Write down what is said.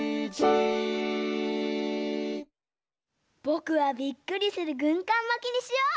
ぼくはびっくりするぐんかんまきにしよう！